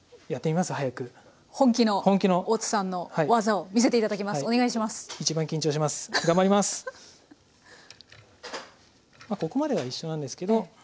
まあここまでは一緒なんですけど。